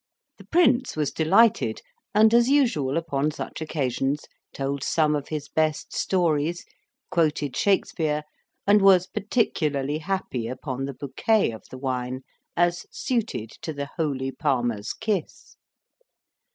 The Prince was delighted, and, as usual upon such occasions, told some of his best stories, quoted Shakspeare, and was particularly happy upon the bouquet of the wine as suited "to the holy Palmer's kiss."